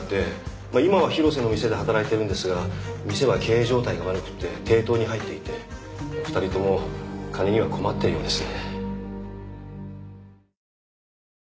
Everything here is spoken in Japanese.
まぁ今は広瀬の店で働いてるんですが店は経営状態が悪くて抵当に入っていて２人とも金には困ってるようですね。